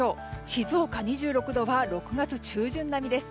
静岡、２６度は６月中旬並みです。